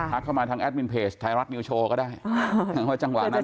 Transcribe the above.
ทักเข้ามาทางแอดมินเพจไทยรัฐนิวโชว์ก็ได้เพราะว่าจังหวานั้นแหละ